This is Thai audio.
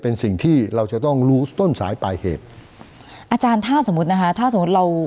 เป็นสิ่งที่เราจะต้องรู้ต้นสายปลายเหตุอาจารย์ถ้าสมมุตินะคะถ้าสมมุติเรา